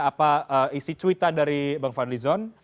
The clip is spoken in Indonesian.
apa isi twitter dari bang fadlizon